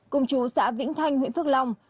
cùng chú xã vĩnh thanh huyện phước long